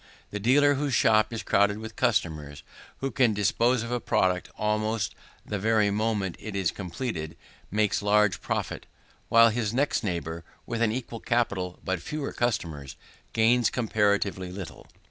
The dealer whose shop is crowded with customers, who can dispose of a product almost the very moment it is completed, makes large profits, while his next neighbour, with an equal capital but fewer customers, gains comparatively little.